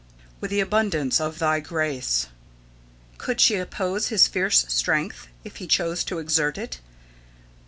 "With the abundance of Thy grace" Could she oppose his fierce strength, if he chose to exert it?